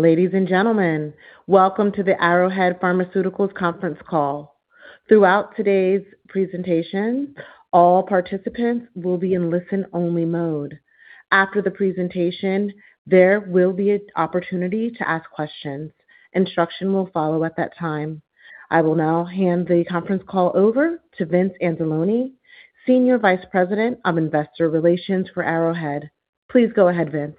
Ladies and gentlemen, welcome to the Arrowhead Pharmaceuticals conference call. Throughout today's presentation, all participants will be in listen-only mode. After the presentation, there will be an opportunity to ask questions. Instruction will follow at that time. I will now hand the conference call over to Vince Anzalone, Senior Vice President of Investor Relations for Arrowhead. Please go ahead, Vince.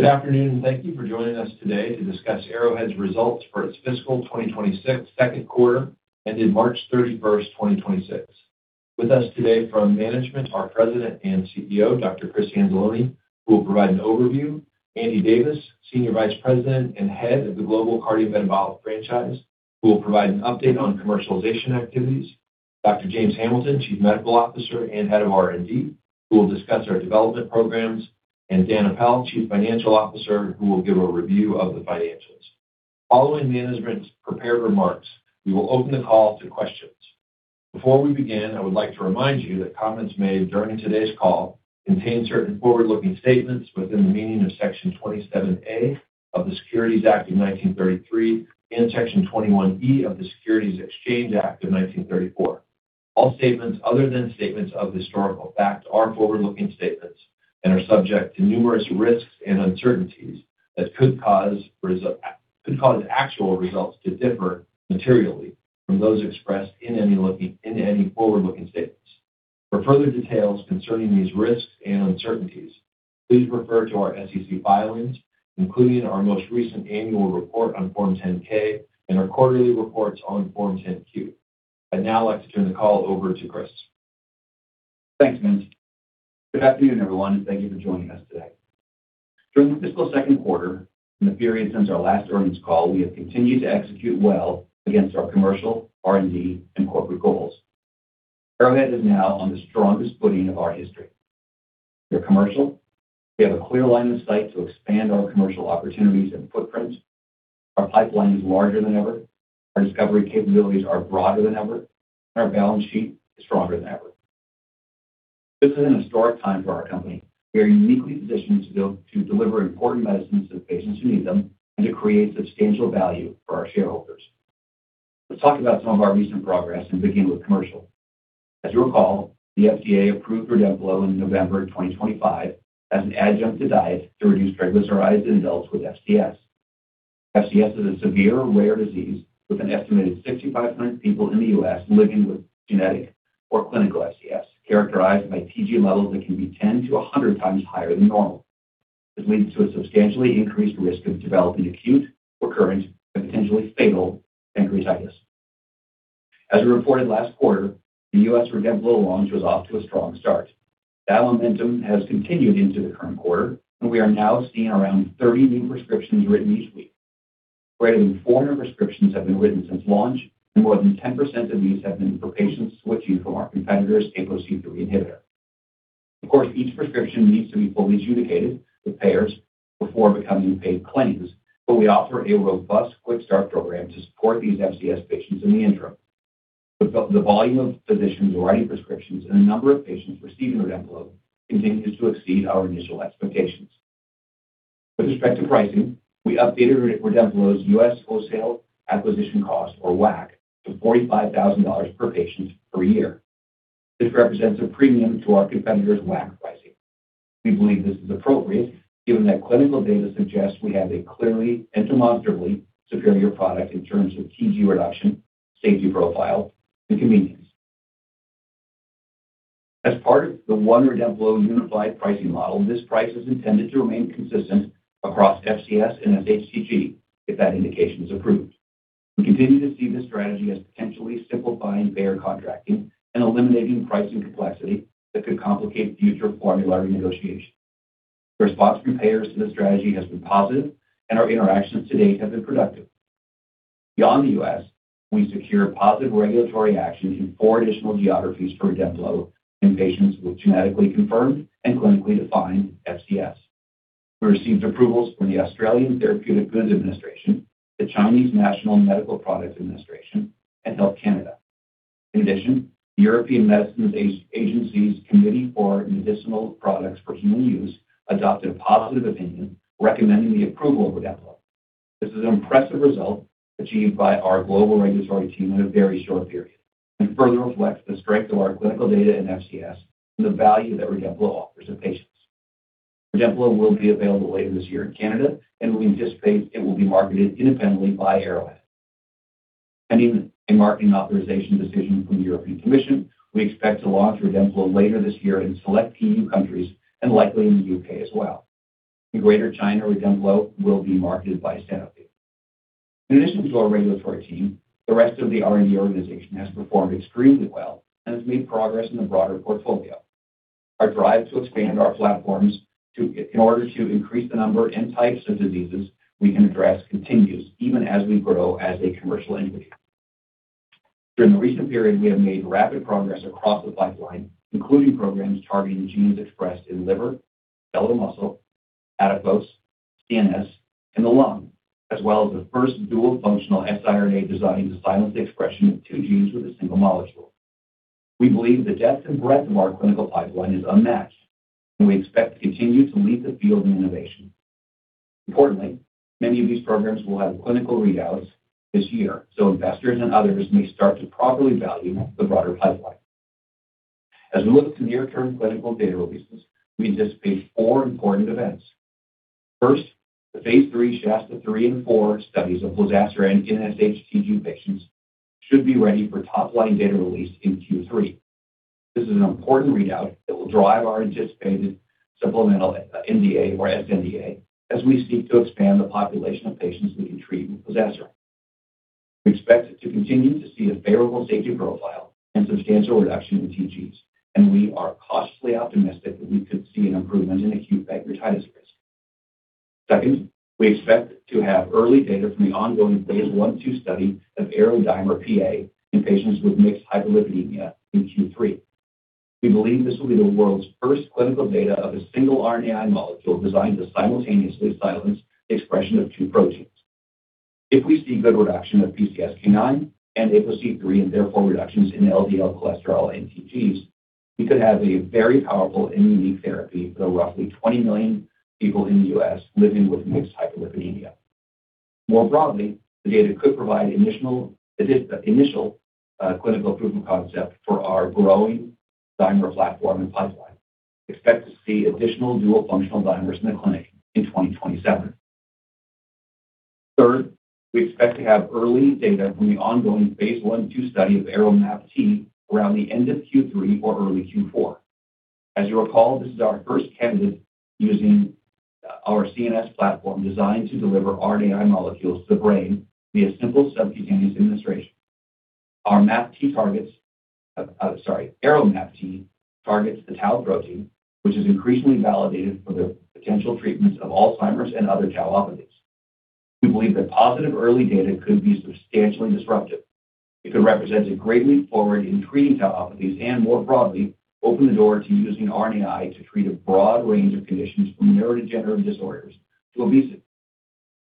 Good afternoon, and thank you for joining us today to discuss Arrowhead's results for its fiscal 2026 second quarter ended March 31, 2026. With us today from management, our President and CEO, Dr. Chris Anzalone, who will provide an overview. Andy Davis, Senior Vice President and Head of the Global Cardiometabolic Franchise, who will provide an update on commercialization activities. Dr. James Hamilton, Chief Medical Officer and Head of R&D, who will discuss our development programs, and Daniel Apel, Chief Financial Officer, who will give a review of the financials. Following management's prepared remarks, we will open the call to questions. Before we begin, I would like to remind you that comments made during today's call contain certain forward-looking statements within the meaning of Section 27A of the Securities Act of 1933 and Section 21E of the Securities Exchange Act of 1934. All statements other than statements of historical fact are forward-looking statements and are subject to numerous risks and uncertainties that could cause actual results to differ materially from those expressed in any forward-looking statements. For further details concerning these risks and uncertainties, please refer to our SEC filings, including our most recent annual report on Form 10-K and our quarterly reports on Form 10-Q. I'd now like to turn the call over to Chris. Thanks, Vince. Good afternoon, everyone, thank you for joining us today. During the fiscal second quarter, in the period since our last earnings call, we have continued to execute well against our commercial, R&D, and corporate goals. Arrowhead is now on the strongest footing of our history. Your commercial, we have a clear line of sight to expand our commercial opportunities and footprint. Our pipeline is larger than ever. Our discovery capabilities are broader than ever. Our balance sheet is stronger than ever. This is an historic time for our company. We are uniquely positioned to deliver important medicines to patients who need them and to create substantial value for our shareholders. Let's talk about some of our recent progress and begin with commercial. As you recall, the FDA approved REDEMPLO in November 2025 as an adjunct to diet to reduce triglycerides in adults with FCS. FCS is a severe rare disease with an estimated 65 million people in the U.S. living with genetic or clinical FCS, characterized by TG levels that can be 10-100 times higher than normal. This leads to a substantially increased risk of developing acute, recurrent, and potentially fatal pancreatitis. As we reported last quarter, the U.S. REDEMPLO launch was off to a strong start. That momentum has continued into the current quarter, we are now seeing around 30 new prescriptions written each week. More than 400 prescriptions have been written since launch, more than 10% of these have been for patients switching from our competitor's ApoC-III inhibitor. Of course, each prescription needs to be fully adjudicated with payers before becoming paid claims, we offer a robust quick-start program to support these FCS patients in the interim. The volume of physicians writing prescriptions and the number of patients receiving REDEMPLO continues to exceed our initial expectations. With respect to pricing, we updated REDEMPLO's U.S. wholesale acquisition cost, or WAC, to $45,000 per patient per year. This represents a premium to our competitor's WAC pricing. We believe this is appropriate given that clinical data suggests we have a clearly and demonstrably superior product in terms of TG reduction, safety profile, and convenience. As part of the one REDEMPLO unified pricing model, this price is intended to remain consistent across FCS and SHTG if that indication is approved. We continue to see this strategy as potentially simplifying payer contracting and eliminating pricing complexity that could complicate future formulary negotiation. The response from payers to this strategy has been positive, and our interactions to date have been productive. Beyond the U.S., we secure positive regulatory action in four additional geographies for REDEMPLO in patients with genetically confirmed and clinically defined FCS. We received approvals from the Australian Therapeutic Goods Administration, the Chinese National Medical Products Administration, and Health Canada. In addition, the European Medicines Agency's Committee for Medicinal Products for Human Use adopted a positive opinion recommending the approval of REDEMPLO. This is an impressive result achieved by our global regulatory team in a very short period and further reflects the strength of our clinical data in FCS and the value that REDEMPLO offers to patients. REDEMPLO will be available later this year in Canada and we anticipate it will be marketed independently by Arrowhead. Pending a marketing authorization decision from the European Commission, we expect to launch REDEMPLO later this year in select E.U. countries and likely in the U.K. as well. In Greater China, REDEMPLO will be marketed by Sanofi. In addition to our regulatory team, the rest of the R&D organization has performed extremely well and has made progress in the broader portfolio. Our drive to expand our platforms in order to increase the number and types of diseases we can address continues even as we grow as a commercial entity. During the recent period, we have made rapid progress across the pipeline, including programs targeting genes expressed in liver, skeletal muscle, adipose, CNS, and the lung, as well as the first dual functional siRNA designed to silence the expression of two genes with a single molecule. We believe the depth and breadth of our clinical pipeline is unmatched, and we expect to continue to lead the field in innovation. Importantly, many of these programs will have clinical readouts this year, so investors and others may start to properly value the broader pipeline. As we look to near-term clinical data releases, we anticipate four important events. First, the phase III SHASTA-3 and 4 studies of plozasiran in SHTG patients should be ready for top-line data release in Q3. This is an important readout that will drive our anticipated supplemental NDA or sNDA as we seek to expand the population of patients we can treat with plozasiran. We expect to continue to see a favorable safety profile and substantial reduction in TGs, and we are cautiously optimistic that we could see an improvement in acute pancreatitis risk. Second, we expect to have early data from the ongoing phase I/II study of ARO-DIMER-PA in patients with mixed hyperlipidemia in Q3. We believe this will be the world's first clinical data of a single RNAi molecule designed to simultaneously silence expression of two proteins. If we see good reduction of PCSK9 and ApoC-III, and therefore reductions in LDL cholesterol and TGs, we could have a very powerful and unique therapy for roughly 20 million people in the U.S. living with mixed hyperlipidemia. More broadly, the data could provide initial clinical proof of concept for our growing DIMER platform and pipeline. Expect to see additional dual functional DIMERs in the clinic in 2027. Third, we expect to have early data from the ongoing phase I/II study of ARO-MAPT around the end of Q3 or early Q4. As you recall, this is our first candidate using our CNS platform designed to deliver RNAi molecules to the brain via simple subcutaneous administration. Our MAPT targets. ARO-MAPT targets the tau protein, which is increasingly validated for the potential treatments of Alzheimer's and other tauopathies. We believe that positive early data could be substantially disruptive. It could represent a great leap forward in treating tauopathies and more broadly, open the door to using RNAi to treat a broad range of conditions from neurodegenerative disorders to obesity.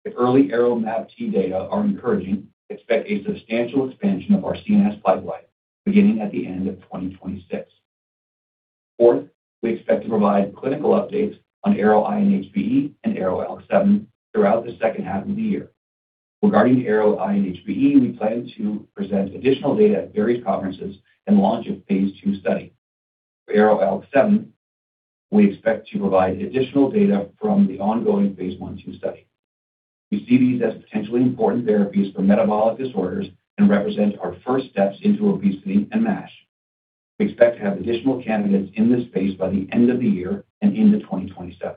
If early ARO-MAPT data are encouraging, expect a substantial expansion of our CNS pipeline beginning at the end of 2026. Fourth, we expect to provide clinical updates on ARO-INHBE and ARO-ALK7 throughout the second half of the year. Regarding ARO-INHBE, we plan to present additional data at various conferences and launch a phase II study. For ARO-ALK7, we expect to provide additional data from the ongoing phase I/II study. We see these as potentially important therapies for metabolic disorders and represent our first steps into obesity and MASH. We expect to have additional candidates in this space by the end of the year and into 2027.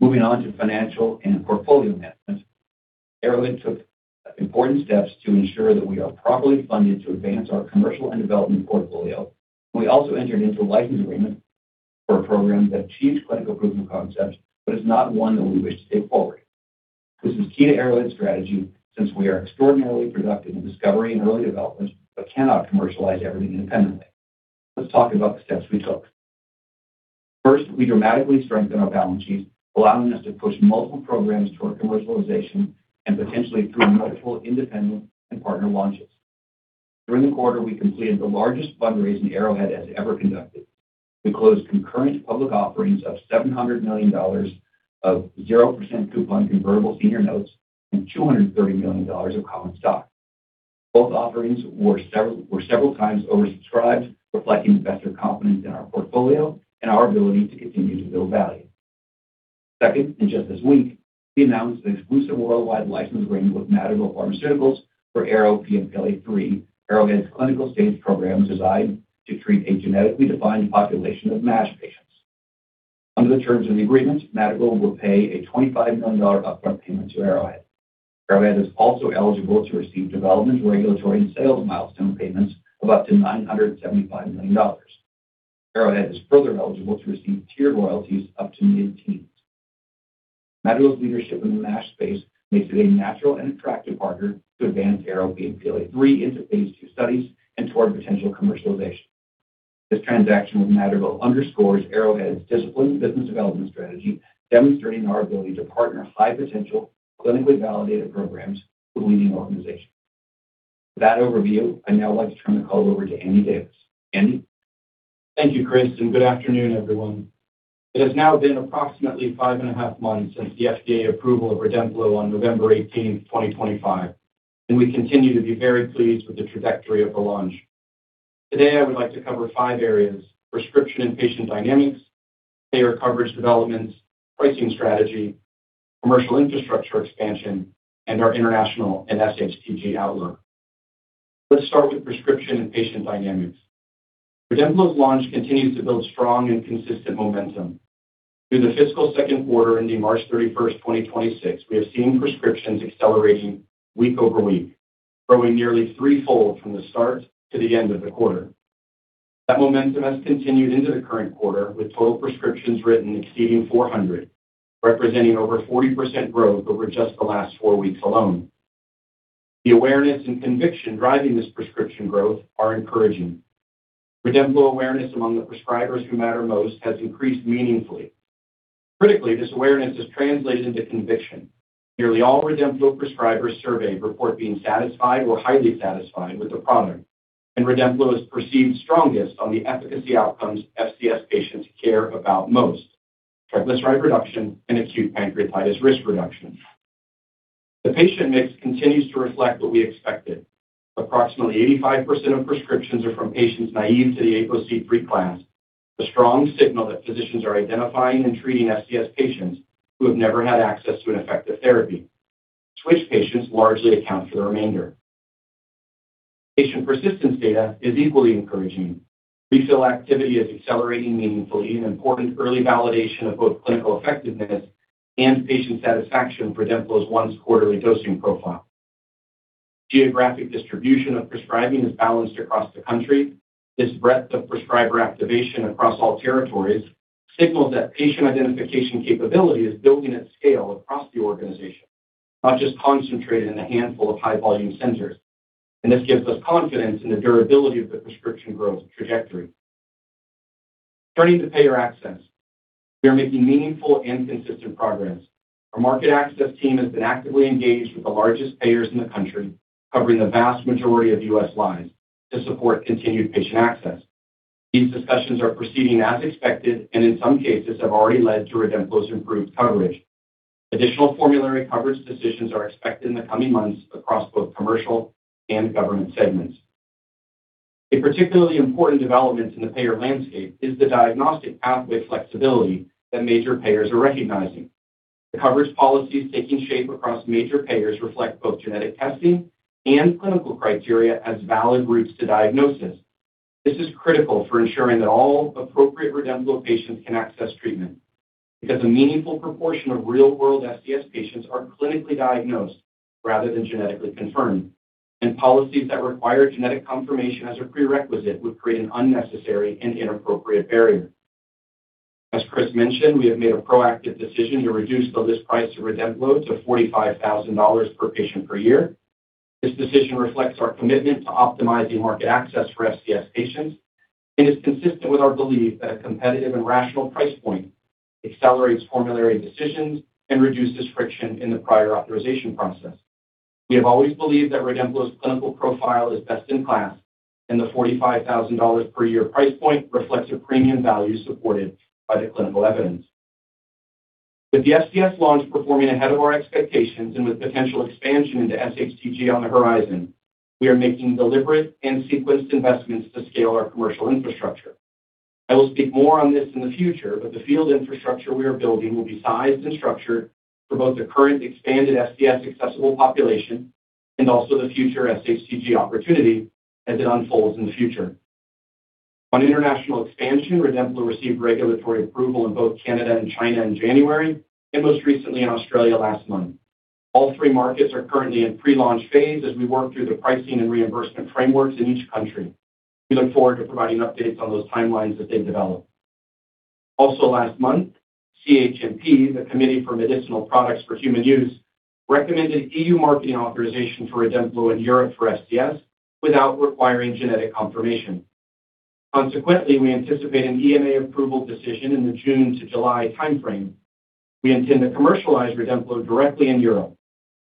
Moving on to financial and portfolio management, Arrowhead took important steps to ensure that we are properly funded to advance our commercial and development portfolio. We also entered into a license agreement for a program that achieved clinical proof of concept, but is not one that we wish to take forward. This is key to Arrowhead's strategy since we are extraordinarily productive in discovery and early development, but cannot commercialize everything independently. Let's talk about the steps we took. First, we dramatically strengthened our balance sheet, allowing us to push multiple programs toward commercialization and potentially through multiple independent and partner launches. During the quarter, we completed the largest fundraising Arrowhead has ever conducted. We closed concurrent public offerings of $700 million of 0% coupon convertible senior notes and $230 million of common stock. Both offerings were several times oversubscribed, reflecting investor confidence in our portfolio and our ability to continue to build value. Second, and just this week, we announced an exclusive worldwide license agreement with Madrigal Pharmaceuticals for ARO-PNPLA3, Arrowhead's clinical-stage program designed to treat a genetically defined population of MASH patients. Under the terms of the agreement, Madrigal will pay a $25 million upfront payment to Arrowhead. Arrowhead is also eligible to receive development, regulatory, and sales milestone payments of up to $975 million. Arrowhead is further eligible to receive tiered royalties up to mid-teens. Madrigal's leadership in the MASH space makes it a natural and attractive partner to advance ARO-PNPLA3 into phase II studies and toward potential commercialization. This transaction with Madrigal underscores Arrowhead's disciplined business development strategy, demonstrating our ability to partner high-potential, clinically validated programs with leading organizations. With that overview, I'd now like to turn the call over to Andy Davis. Andy? Thank you, Chris. Good afternoon, everyone. It has now been approximately five and a half months since the FDA approval of REDEMPLO on November 18, 2025. We continue to be very pleased with the trajectory of the launch. Today, I would like to cover five areas: prescription and patient dynamics, payer coverage developments, pricing strategy, commercial infrastructure expansion, and our international and SHTG outlook. Let's start with prescription and patient dynamics. REDEMPLO's launch continues to build strong and consistent momentum. Through the fiscal second quarter, ending March 31, 2026, we have seen prescriptions accelerating week over week, growing nearly threefold from the start to the end of the quarter. That momentum has continued into the current quarter, with total prescriptions written exceeding 400, representing over 40% growth over just the last four weeks alone. The awareness and conviction driving this prescription growth are encouraging. REDEMPLO awareness among the prescribers who matter most has increased meaningfully. Critically, this awareness has translated into conviction. Nearly all REDEMPLO prescribers surveyed report being satisfied or highly satisfied with the product, and REDEMPLO is perceived strongest on the efficacy outcomes FCS patients care about most: triglyceride reduction and acute pancreatitis risk reduction. The patient mix continues to reflect what we expected. Approximately 85% of prescriptions are from patients naive to the ApoC-III class, a strong signal that physicians are identifying and treating FCS patients who have never had access to an effective therapy. Switch patients largely account for the remainder. Patient persistence data is equally encouraging. Refill activity is accelerating meaningfully, an important early validation of both clinical effectiveness and patient satisfaction for REDEMPLO's once quarterly dosing profile. Geographic distribution of prescribing is balanced across the country. This breadth of prescriber activation across all territories signals that patient identification capability is building at scale across the organization, not just concentrated in a handful of high-volume centers. This gives us confidence in the durability of the prescription growth trajectory. Turning to payer access. We are making meaningful and consistent progress. Our market access team has been actively engaged with the largest payers in the country, covering the vast majority of U.S. lives to support continued patient access. These discussions are proceeding as expected and in some cases have already led to REDEMPLO's improved coverage. Additional formulary coverage decisions are expected in the coming months across both commercial and government segments. A particularly important development in the payer landscape is the diagnostic pathway flexibility that major payers are recognizing. The coverage policies taking shape across major payers reflect both genetic testing and clinical criteria as valid routes to diagnosis. This is critical for ensuring that all appropriate REDEMPLO patients can access treatment, because a meaningful proportion of real-world FCS patients are clinically diagnosed rather than genetically confirmed, and policies that require genetic confirmation as a prerequisite would create an unnecessary and inappropriate barrier. As Chris mentioned, we have made a proactive decision to reduce the list price of REDEMPLO to $45,000 per patient per year. This decision reflects our commitment to optimizing market access for FCS patients and is consistent with our belief that a competitive and rational price point accelerates formulary decisions and reduces friction in the prior authorization process. We have always believed that REDEMPLO's clinical profile is best in class, and the $45,000 per year price point reflects a premium value supported by the clinical evidence. With the FCS launch performing ahead of our expectations and with potential expansion into SHTG on the horizon, we are making deliberate and sequenced investments to scale our commercial infrastructure. I will speak more on this in the future, but the field infrastructure we are building will be sized and structured for both the current expanded FCS accessible population and also the future SHTG opportunity as it unfolds in the future. On international expansion, REDEMPLO received regulatory approval in both Canada and China in January and most recently in Australia last month. All three markets are currently in pre-launch phase as we work through the pricing and reimbursement frameworks in each country. We look forward to providing updates on those timelines as they develop. Also last month, CHMP, the Committee for Medicinal Products for Human Use, recommended E.U. marketing authorization for REDEMPLO in Europe for FCS without requiring genetic confirmation. Consequently, we anticipate an EMA approval decision in the June to July timeframe. We intend to commercialize REDEMPLO directly in Europe,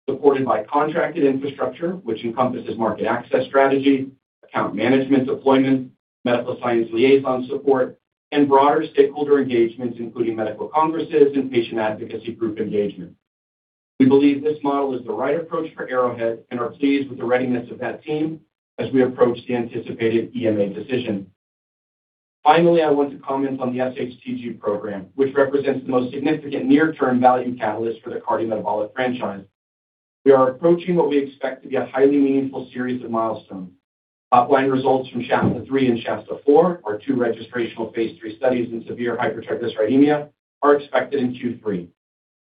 supported by contracted infrastructure which encompasses market access strategy, account management deployment, medical science liaison support, and broader stakeholder engagements, including medical congresses and patient advocacy group engagement. We believe this model is the right approach for Arrowhead and are pleased with the readiness of that team as we approach the anticipated EMA decision. Finally, I want to comment on the SHTG program, which represents the most significant near-term value catalyst for the cardiometabolic franchise. We are approaching what we expect to be a highly meaningful series of milestones. Top-line results from SHASTA-3 and SHASTA-4, our two registrational phase III studies in severe hypertriglyceridemia, are expected in Q3.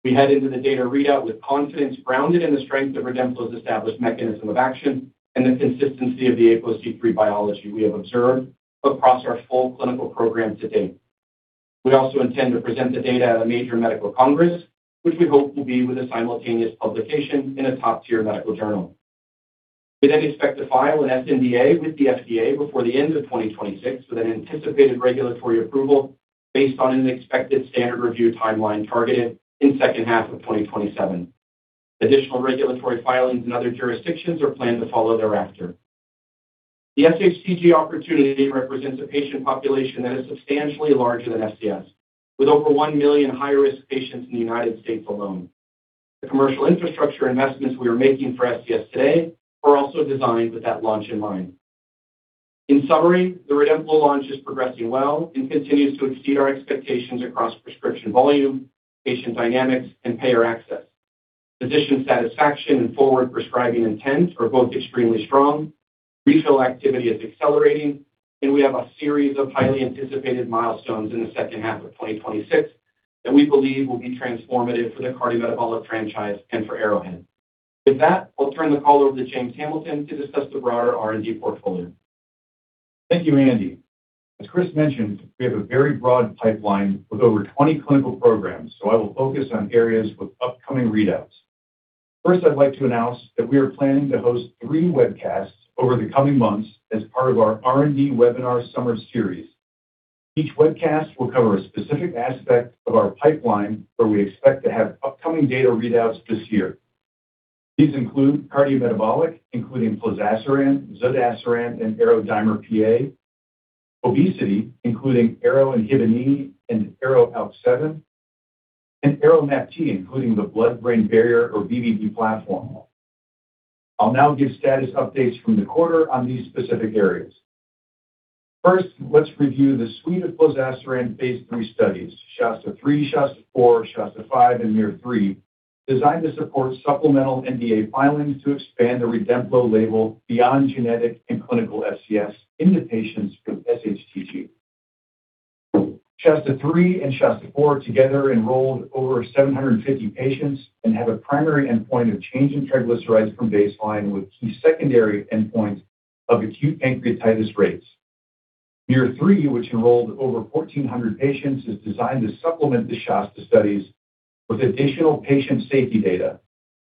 We head into the data readout with confidence grounded in the strength of REDEMPLO's established mechanism of action and the consistency of the ApoC-III biology we have observed across our full clinical program to date. We intend to present the data at a major medical congress, which we hope will be with a simultaneous publication in a top-tier medical journal. We expect to file an sNDA with the FDA before the end of 2026, with an anticipated regulatory approval based on an expected standard review timeline targeted in second half of 2027. Additional regulatory filings in other jurisdictions are planned to follow thereafter. The SHTG opportunity represents a patient population that is substantially larger than FCS, with over 1 million high-risk patients in the United States alone. The commercial infrastructure investments we are making for FCS today are also designed with that launch in mind. In summary, the REDEMPLO launch is progressing well and continues to exceed our expectations across prescription volume, patient dynamics, and payer access. Physician satisfaction and forward prescribing intents are both extremely strong. Refill activity is accelerating, and we have a series of highly anticipated milestones in the second half of 2026 that we believe will be transformative for the cardiometabolic franchise and for Arrowhead. With that, I'll turn the call over to James Hamilton to discuss the broader R&D portfolio. Thank you, Andy. As Chris mentioned, we have a very broad pipeline with over 20 clinical programs, so I will focus on areas with upcoming readouts. First, I'd like to announce that we are planning to host three webcasts over the coming months as part of our R&D Webinar Summer Series. Each webcast will cover a specific aspect of our pipeline where we expect to have upcoming data readouts this year. These include cardiometabolic, including plozasiran, zodasiran, and ARO-DIMER-PA, obesity, including ARO-INHBE and ARO-ALK7, and ARO-MAPT, including the blood-brain barrier or BBB platform. I'll now give status updates from the quarter on these specific areas. First, let's review the suite of plozasiran phase III studies, SHASTA-3, SHASTA-4, SHASTA-5, and MUIR-3, designed to support supplemental NDA filings to expand the REDEMPLO label beyond genetic and clinical FCS into patients with SHTG. SHASTA-3 and SHASTA-4 together enrolled over 750 patients and have a primary endpoint of change in triglycerides from baseline with key secondary endpoints of acute pancreatitis rates. MUIR-3, which enrolled over 1,400 patients, is designed to supplement the SHASTA studies with additional patient safety data.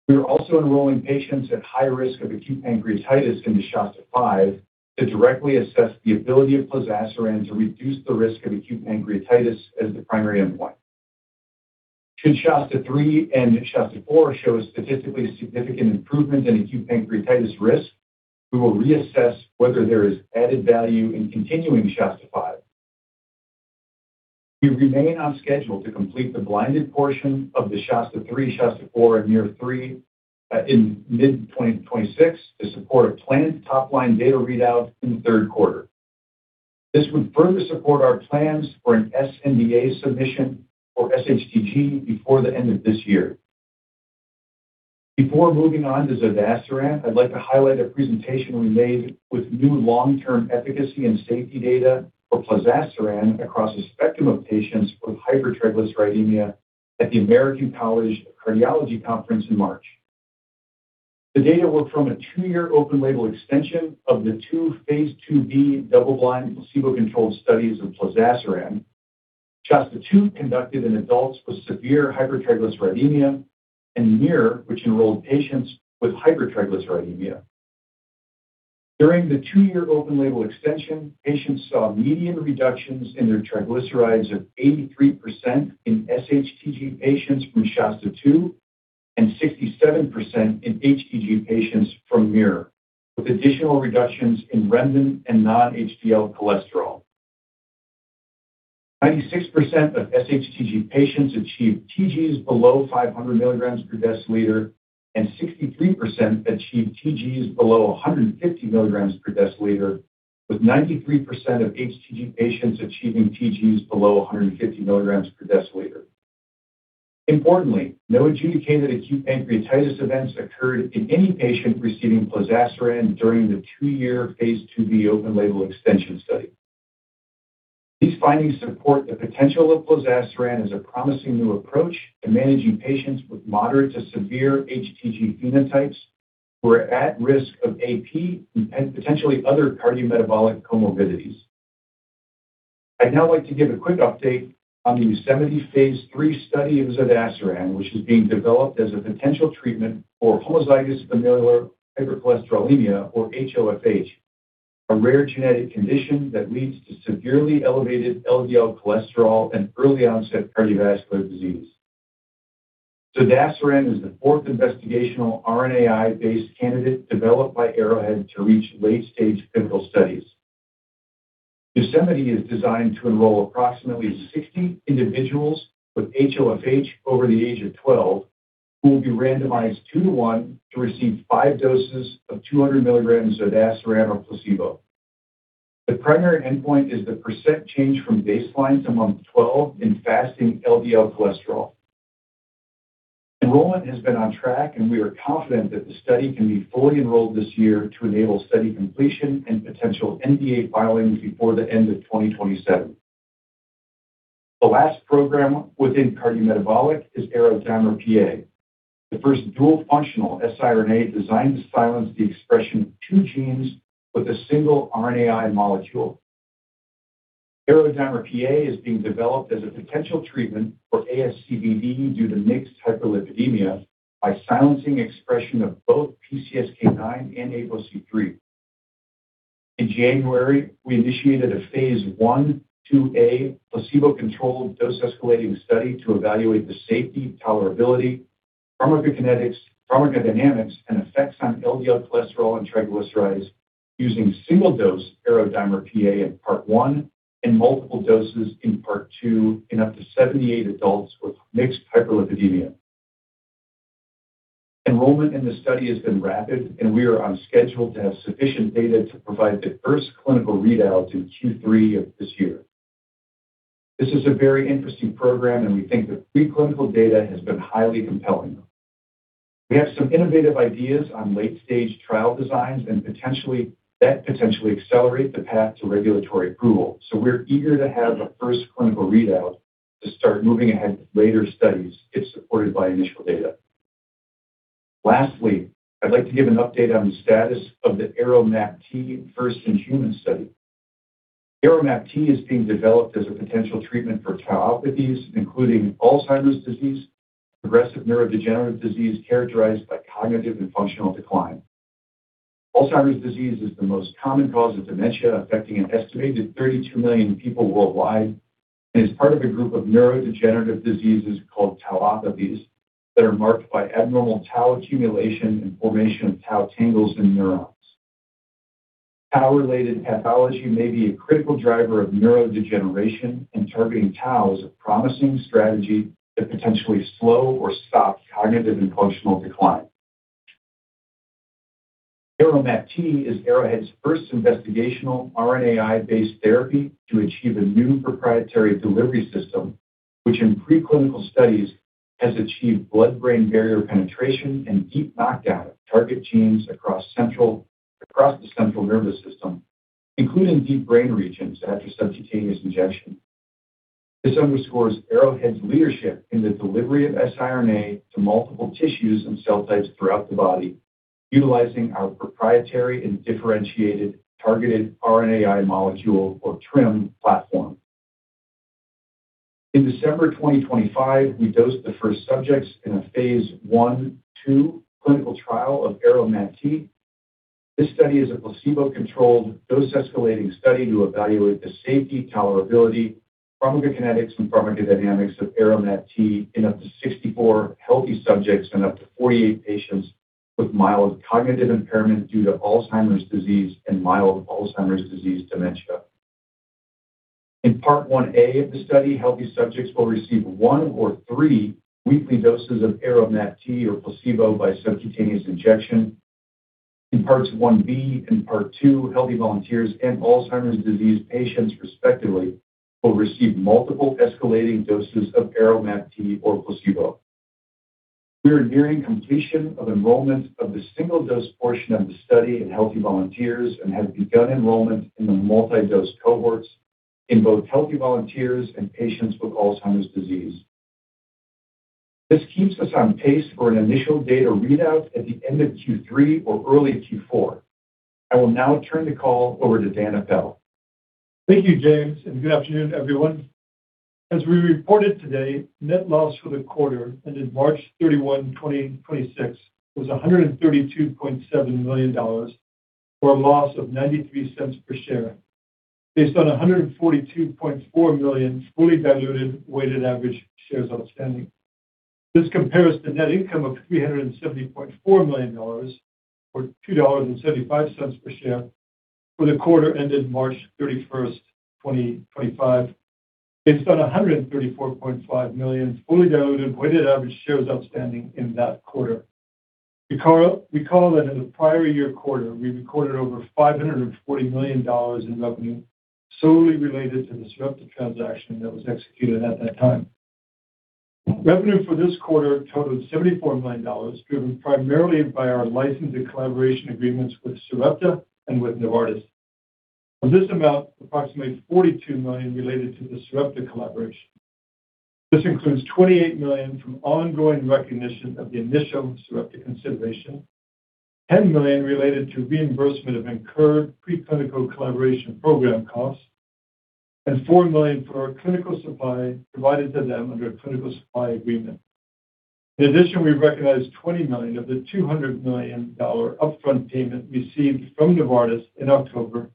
We are also enrolling patients at high risk of acute pancreatitis into SHASTA-5 to directly assess the ability of plozasiran to reduce the risk of acute pancreatitis as the primary endpoint. Should SHASTA-3 and SHASTA-4 show a statistically significant improvement in acute pancreatitis risk, we will reassess whether there is added value in continuing SHASTA-5. We remain on schedule to complete the blinded portion of the SHASTA-3, SHASTA-4, and MUIR-3 in mid 2026 to support a planned top-line data readout in the third quarter. This would further support our plans for an sNDA submission for SHTG before the end of this year. Before moving on to zodasiran, I'd like to highlight a presentation we made with new long-term efficacy and safety data for plozasiran across a spectrum of patients with hypertriglyceridemia at the American College Cardiology Conference in March. The data were from a two-year open-label extension of the two phase IIb double-blind placebo-controlled studies of plozasiran, SHASTA-2 conducted in adults with severe hypertriglyceridemia, and MUIR, which enrolled patients with hypertriglyceridemia. During the two-year open-label extension, patients saw median reductions in their triglycerides of 83% in SHTG patients from SHASTA-2 and 67% in HTG patients from MUIR, with additional reductions in remnant and non-HDL cholesterol. 96% of SHTG patients achieved TGs below 500 milligrams per deciliter, and 63% achieved TGs below 150 mg per deciliter, with 93% of HTG patients achieving TGs below 150 mg per deciliter. Importantly, no adjudicated acute pancreatitis events occurred in any patient receiving plozasiran during the two-year phase IIb open-label extension study. These findings support the potential of plozasiran as a promising new approach to managing patients with moderate to severe HTG phenotypes who are at risk of AP and potentially other cardiometabolic comorbidities. I'd now like to give a quick update on the YOSEMITE phase III study of zodasiran, which is being developed as a potential treatment for homozygous familial hypercholesterolemia, or HoFH, a rare genetic condition that leads to severely elevated LDL cholesterol and early-onset cardiovascular disease. zodasiran is the fourth investigational RNAi-based candidate developed by Arrowhead to reach late-stage clinical studies. YOSEMITE is designed to enroll approximately 60 individuals with HoFH over the age of 12 who will be randomized 2/1 to receive five doses of 200 mg zodasiran or placebo. The primary endpoint is the % change from baseline to month 12 in fasting LDL cholesterol. Enrollment has been on track, and we are confident that the study can be fully enrolled this year to enable study completion and potential NDA filings before the end of 2027. The last program within cardiometabolic is ARO-DIMER-PA, the first dual-functional siRNA designed to silence the expression of two genes with a single RNAi molecule. ARO-DIMER-PA is being developed as a potential treatment for ASCVD due to mixed hyperlipidemia by silencing expression of both PCSK9 and ApoC-III. In January, we initiated a phase I-IIa placebo-controlled dose-escalating study to evaluate the safety, tolerability, pharmacokinetics, pharmacodynamics, and effects on LDL cholesterol and triglycerides using single-dose ARO-DIMER-PA in Part I and multiple doses in Part II in up to 78 adults with mixed hyperlipidemia. Enrollment in the study has been rapid. We are on schedule to have sufficient data to provide the first clinical readout in Q3 of this year. This is a very interesting program, and we think the preclinical data has been highly compelling. We have some innovative ideas on late-stage trial designs that potentially accelerate the path to regulatory approval. We're eager to have a first clinical readout to start moving ahead with later studies if supported by initial data. Lastly, I'd like to give an update on the status of the ARO-MAPT first-in-human study. ARO-MAPT is being developed as a potential treatment for tauopathies, including Alzheimer's disease, progressive neurodegenerative disease characterized by cognitive and functional decline. Alzheimer's disease is the most common cause of dementia, affecting an estimated 32 million people worldwide, and is part of a group of neurodegenerative diseases called tauopathies that are marked by abnormal tau accumulation and formation of tau tangles in neurons. Tau-related pathology may be a critical driver of neurodegeneration. Targeting tau is a promising strategy to potentially slow or stop cognitive and functional decline. ARO-MAPT is Arrowhead's first investigational RNAi-based therapy to achieve a new proprietary delivery system, which in preclinical studies has achieved blood-brain barrier penetration and deep knockdown of target genes across the central nervous system, including deep brain regions after subcutaneous injection. This underscores Arrowhead's leadership in the delivery of siRNA to multiple tissues and cell types throughout the body, utilizing our proprietary and differentiated Targeted RNAi Molecule or TRiM platform. In December 2025, we dosed the first subjects in a phase I/II clinical trial of ARO-MAPT. This study is a placebo-controlled dose-escalating study to evaluate the safety, tolerability, pharmacokinetics, and pharmacodynamics of ARO-MAPT in up to 64 healthy subjects and up to 48 patients with mild cognitive impairment due to Alzheimer's disease and mild Alzheimer's disease dementia. In part 1a of the study, healthy subjects will receive one or three weekly doses of ARO-MAPT or placebo by subcutaneous injection. In parts 1b and part two, healthy volunteers and Alzheimer's disease patients, respectively, will receive multiple escalating doses of ARO-MAPT or placebo. We are nearing completion of enrollment of the single-dose portion of the study in healthy volunteers and have begun enrollment in the multi-dose cohorts in both healthy volunteers and patients with Alzheimer's disease. This keeps us on pace for an initial data readout at the end of Q3 or early Q4. I will now turn the call over to Daniel Apel. Thank you, James, good afternoon, everyone. As we reported today, net loss for the quarter ended March 31, 2026 was $132.7 million, or a loss of $0.93 per share based on 142.4 million fully diluted weighted average shares outstanding. This compares to net income of $370.4 million, or $2.75 per share for the quarter ended March 31, 2025 based on 134.5 million fully diluted weighted average shares outstanding in that quarter. Recall that in the prior year quarter, we recorded over $540 million in revenue solely related to the Sarepta transaction that was executed at that time. Revenue for this quarter totaled $74 million, driven primarily by our licensed and collaboration agreements with Sarepta and with Novartis. Of this amount, approximately $42 million related to the Sarepta collaboration. This includes $28 million from ongoing recognition of the initial Sarepta consideration, $10 million related to reimbursement of incurred preclinical collaboration program costs, and $4 million for our clinical supply provided to them under a clinical supply agreement. In addition, we recognized $20 million of the $200 million upfront payment received from Novartis in October,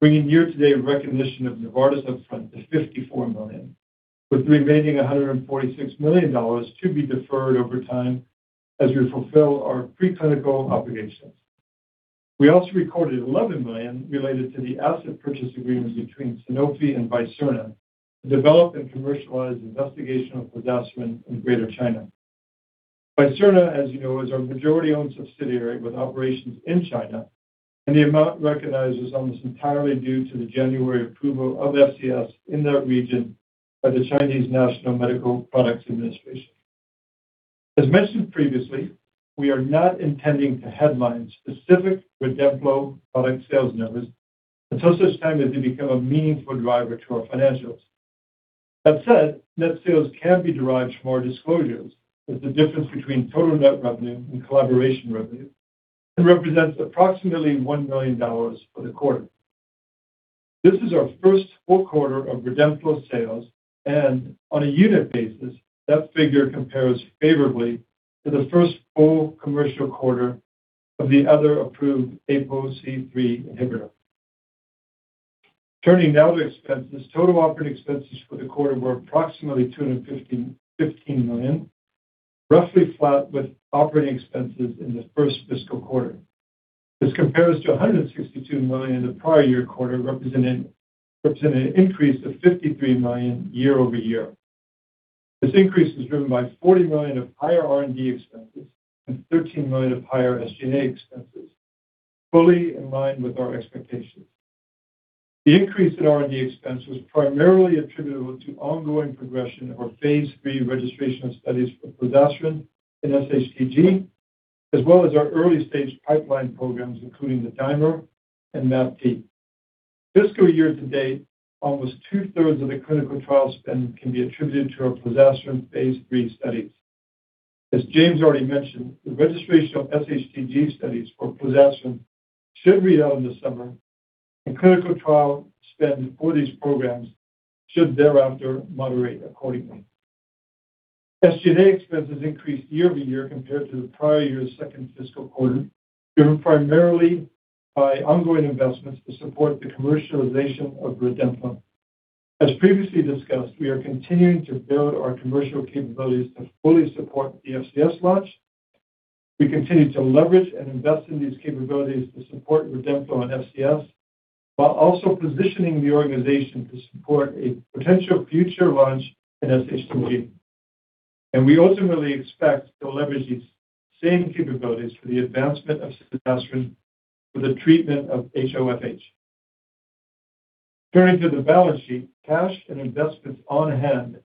bringing year-to-date recognition of Novartis upfront to $54 million, with the remaining $146 million to be deferred over time as we fulfill our preclinical obligations. We also recorded $11 million related to the asset purchase agreement between Sanofi and Visirna Therapeutics to develop and commercialize investigational plozasiran in Greater China. Visirna, as you know, is our majority-owned subsidiary with operations in China, and the amount recognized is almost entirely due to the January approval of FCS in that region by the Chinese National Medical Products Administration. As mentioned previously, we are not intending to headline specific REDEMPLO product sales numbers until such time as they become a meaningful driver to our financials. That said, net sales can be derived from our disclosures as the difference between total net revenue and collaboration revenue and represents approximately $1 million for the quarter. This is our first full quarter of REDEMPLO sales, and on a unit basis, that figure compares favorably to the first full commercial quarter of the other approved ApoC-III inhibitor. Turning now to expenses, total operating expenses for the quarter were approximately $215 million, roughly flat with operating expenses in the first fiscal quarter. This compares to $162 million in the prior year quarter, representing an increase of $53 million year-over-year. This increase was driven by $40 million of higher R&D expenses and $13 million of higher SG&A expenses, fully in line with our expectations. The increase in R&D expense was primarily attributable to ongoing progression of our phase III registrational studies for plozasiran and SHTG, as well as our early-stage pipeline programs, including the DIMER and MAPT. Fiscal year-to-date, almost 2/3 of the clinical trial spend can be attributed to our plozasiran phase III studies. As James already mentioned, the registrational SHTG studies for plozasiran should read out in the summer, clinical trial spend for these programs should thereafter moderate accordingly. SG&A expenses increased year-over-year compared to the prior year's second fiscal quarter, driven primarily by ongoing investments to support the commercialization of REDEMPLO. As previously discussed, we are continuing to build our commercial capabilities to fully support the FCS launch. We continue to leverage and invest in these capabilities to support REDEMPLO and FCS while also positioning the organization to support a potential future launch in SHTG. We ultimately expect to leverage these same capabilities for the advancement of zodasiran for the treatment of HoFH. Turning to the balance sheet, cash and investments on hand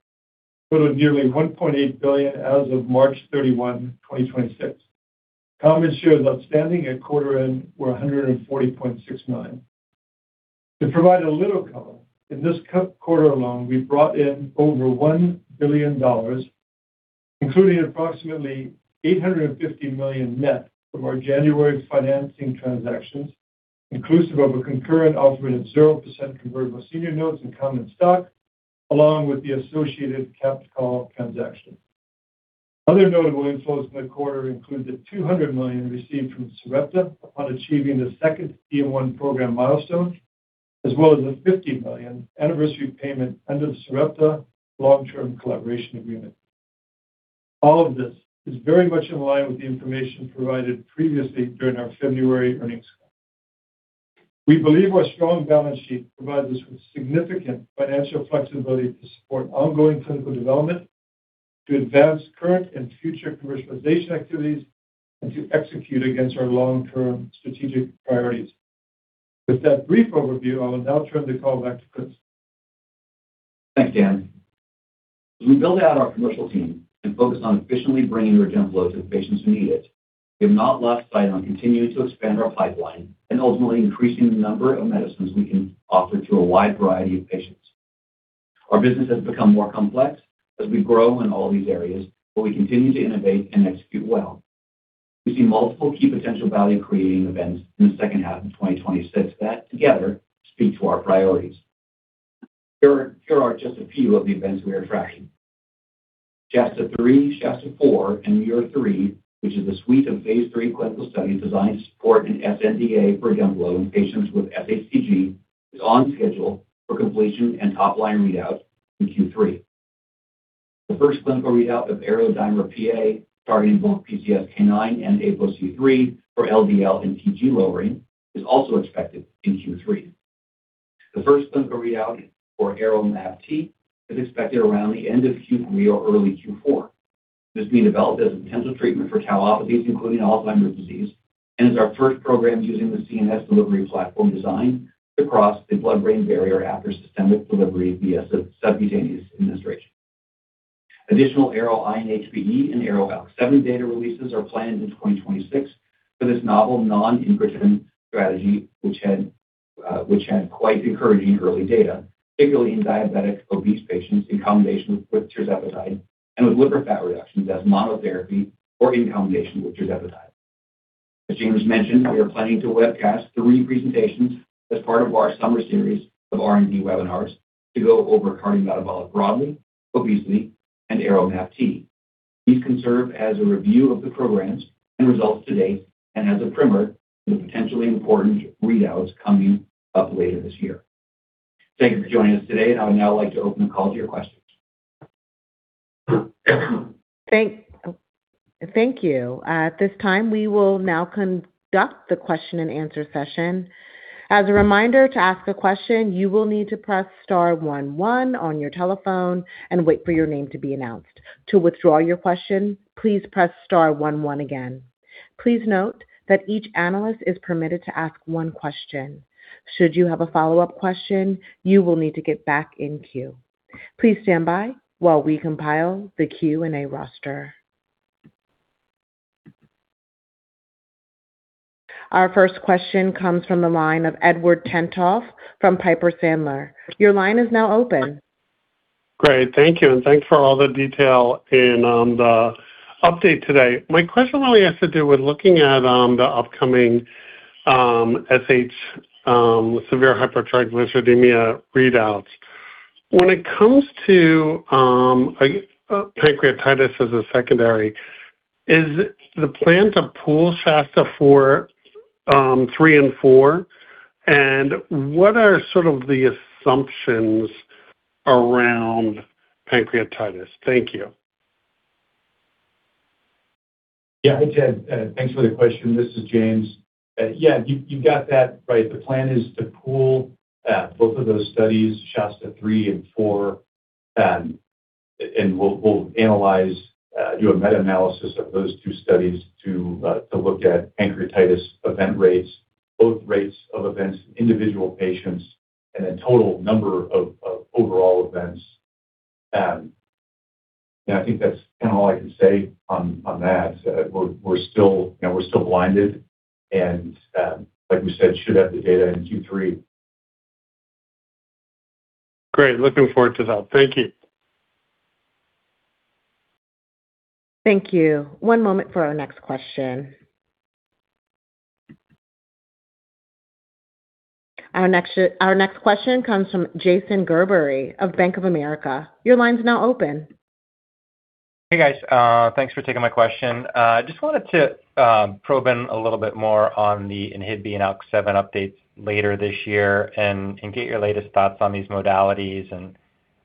totaled nearly $1.8 billion as of March 31, 2026. Common shares outstanding at quarter end were 140.69. To provide a little color, in this quarter alone, we brought in over $1 billion, including approximately $850 million net from our January financing transactions, inclusive of a concurrent offering of 0% convertible senior notes and common stock, along with the associated capped call transaction. Other notable inflows in the quarter include the $200 million received from Sarepta upon achieving the second DM1 program milestone, as well as a $50 million Anniversary payment under the Sarepta long-term collaboration agreement. All of this is very much in line with the information provided previously during our February earnings call. We believe our strong balance sheet provides us with significant financial flexibility to support ongoing clinical development, to advance current and future commercialization activities, and to execute against our long-term strategic priorities. With that brief overview, I will now turn the call back to Chris. Thanks, Dan. As we build out our commercial team and focus on efficiently bringing REDEMPLO to the patients who need it, we have not lost sight on continuing to expand our pipeline and ultimately increasing the number of medicines we can offer to a wide variety of patients. Our business has become more complex as we grow in all these areas, we continue to innovate and execute well. We see multiple key potential value-creating events in the second half of 2026 that together speak to our priorities. Here are just a few of the events we are tracking. SHASTA-3, SHASTA-4, and MUIR-3, which is a suite of phase III clinical studies designed to support an sNDA for REDEMPLO in patients with SHTG, is on schedule for completion and top-line readout in Q3. The first clinical readout of ARO-DIMER-PA targeting both PCSK9 and ApoC-III for LDL and TG lowering is also expected in Q3. The first clinical readout for ARO-MAPT is expected around the end of Q3 or early Q4. This is being developed as a potential treatment for tauopathies, including Alzheimer's disease, and is our first program using the CNS delivery platform design to cross the blood-brain barrier after systemic delivery via subcutaneous administration. Additional ARO-INHBE and ARO-ALK7 data releases are planned in 2026 for this novel non-inhibitor strategy, which had quite encouraging early data, particularly in diabetic obese patients in combination with tirzepatide and with liver fat reductions as monotherapy or in combination with tirzepatide. As James mentioned, we are planning to webcast three presentations as part of our summer series of R&D webinars to go over cardiometabolic broadly, obesity, and ARO-MAPT. These can serve as a review of the programs and results to date and as a primer for the potentially important readouts coming up later this year. Thank you for joining us today. I would now like to open the call to your questions. Thank you. At this time, we will now conduct the question-and-answer session. As a reminder, to ask a question, you will need to press star one one on your telephone and wait for your name to be announced. To withdraw your question, please press star one one again. Please note that each analyst is permitted to ask one question. Should you have a follow-up question, you will need to get back in queue. Please stand by while we compile the Q&A roster. Our first question comes from the line of Edward Tenthoff from Piper Sandler. Your line is now open. Great. Thank you. Thanks for all the detail in the update today. My question really has to do with looking at the upcoming severe hypertriglyceridemia readouts. When it comes to, I guess, pancreatitis as a secondary, is the plan to pool SHASTA-3 and SHASTA-4? What are sort of the assumptions around pancreatitis? Thank you. Yeah. Hi, Ted. Thanks for the question. This is James. Yeah, you got that right. The plan is to pool both of those studies, SHASTA-3 and SHASTA-4. We'll analyze, do a meta-analysis of those two studies to look at pancreatitis event rates, both rates of events in individual patients and the total number of overall events. I think that's kind of all I can say on that. We're still, you know, we're still blinded and, like we said, should have the data in Q3. Great. Looking forward to that. Thank you. Thank you. One moment for our next question. Our next question comes from Jason Gerberry of Bank of America. Your line's now open. Hey, guys. Thanks for taking my question. Just wanted to probe in a little bit more on the INHBE and ALK7 updates later this year and get your latest thoughts on these modalities.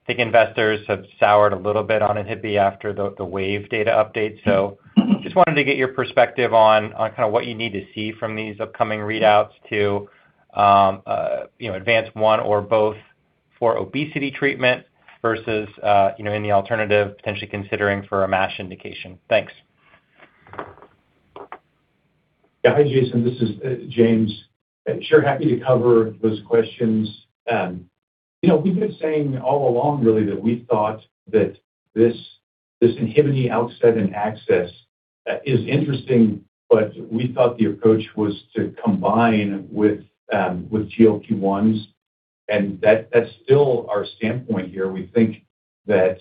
I think investors have soured a little bit on INHBE after the Wave Life Sciences data update. Just wanted to get your perspective on kinda what you need to see from these upcoming readouts to, you know, advance one or both for obesity treatment versus, you know, any alternative potentially considering for a MASH indication. Thanks. Yeah. Hi, Jason. This is James. Sure, happy to cover those questions. you know, we've been saying all along really that we thought that this ARO-INHBE outset and access is interesting, but we thought the approach was to combine with GLP-1s. That's still our standpoint here. We think that